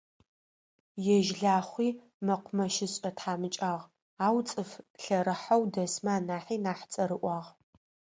Ежь Лахъуи мэкъумэщышӏэ тхьамыкӏагъ, ау цӏыф лъэрыхьэу дэсмэ анахьи нахь цӏэрыӏуагъ.